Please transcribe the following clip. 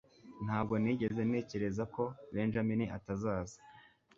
Ntabwo nigeze ntekereza ko Benjamin atazaza.